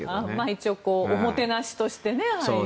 一応、おもてなしとしてああいう。